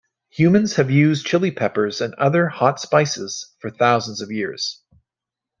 Humans have used chili peppers and other hot spices for thousands of years.